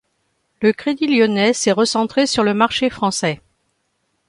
Le Crédit lyonnais s'est recentré sur le marché français.